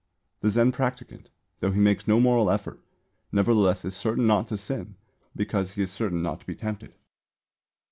The Zen practicant, though he makes no moral effort, nevertheless is certain not to sin, because he is certain not to be tempted.